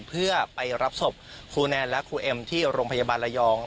เพื่อไปรับศพครูแนนและครูเอ็มที่โรงพยาบาลระยอง